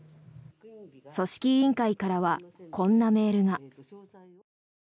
組織委員会からはこんなメールが。